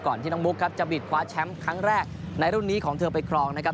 ที่น้องมุกครับจะบิดคว้าแชมป์ครั้งแรกในรุ่นนี้ของเธอไปครองนะครับ